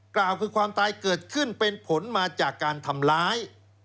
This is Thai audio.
กล่าวคือความตายเกิดขึ้นเป็นผลมาจากการทำร้าย